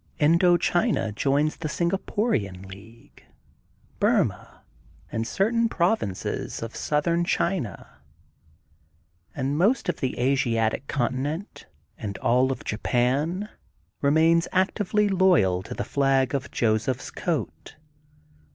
Indo China joins the Singaporian league, Burmah, and certain provinces of Southern China. But most of the Asiatic continent and all of Japan remains actively loyal to the Flag of Joseph's Coat.